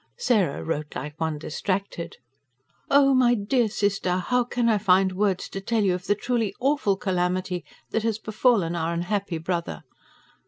Sarah wrote like one distracted. OH, MY DEAR SISTER, HOW CAN I FIND WORDS TO TELL YOU OF THE TRULY "AWFUL" CALAMITY THAT HAS BEFALLEN OUR UNHAPPY BROTHER.